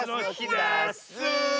ダス！